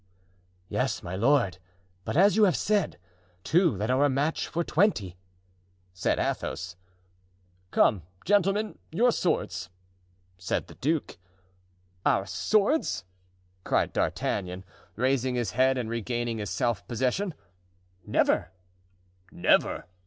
"Yes, my lord; but, as you have said, two that are a match for twenty," said Athos. "Come, gentlemen, your swords," said the duke. "Our swords!" cried D'Artagnan, raising his head and regaining his self possession. "Never!" "Never!"